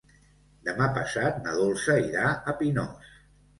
Demà passat na Dolça irà a Pinós.